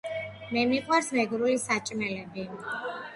მე მიყვარს მეგრული საჭმელები.